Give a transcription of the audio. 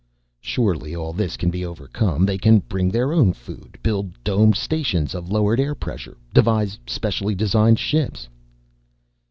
"Surely all this can be overcome. They can bring their own food, build domed stations of lowered air pressure, devise specially designed ships."